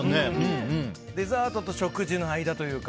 デザートと食事の間というか。